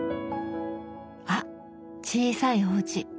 あっ「小さいおうち」。